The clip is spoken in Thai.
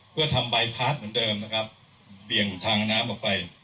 เพื่อทำใบพาร์ทเหมือนเดิมนะครับเบี่ยงทางน้ำออกไป